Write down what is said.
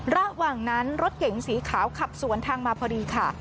ระหว่างนั้นรถเก๋งสีขาวขับสวนทางมาพอดีค่ะ